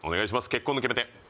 結婚の決め手